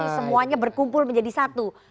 semuanya berkumpul menjadi satu